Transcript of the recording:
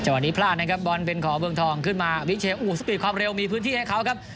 วันนี้พลาดนะครับบอลเป็นของเมืองทองขึ้นมาวิเชลอู้สปีดความเร็วมีพื้นที่ให้เขาครับ